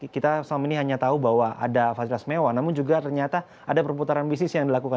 kita selama ini hanya tahu bahwa ada fasilitas mewah namun juga ternyata ada perputaran bisnis yang dilakukan